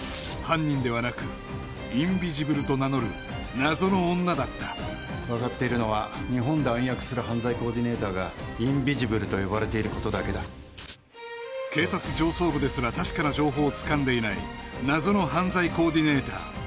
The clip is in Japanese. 犯人ではなくインビジブルと名乗る謎の女だった・わかっているのは日本で暗躍する犯罪コーディネーターがインビジブルと呼ばれていることだけだ警察上層部ですら確かな情報をつかんでいない謎の犯罪コーディネーター